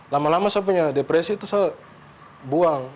lama lama saya punya depresi itu saya buang